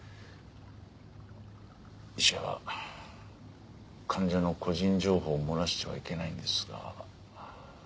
医者は患者の個人情報を漏らしてはいけないんですが。